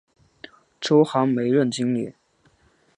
周寒梅任经理。